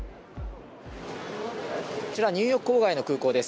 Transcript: こちら、ニューヨーク郊外の空港です。